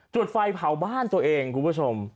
จุดไฟเผาบ้านตัวเองคุณผู้ชม